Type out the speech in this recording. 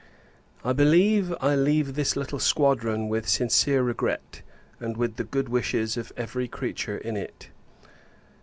I believe, I leave this little squadron with sincere regret, and with the good wishes of every creature in it.